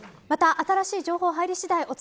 また、新しい情報が入りしだい